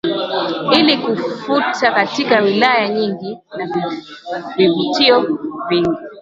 ili kufuta katika wilaya nyingi na vivutio vingi